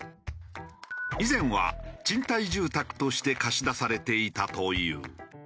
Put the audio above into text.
以前は賃貸住宅として貸し出されていたという。